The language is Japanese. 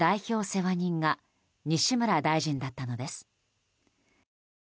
世話人が西村大臣だったのです。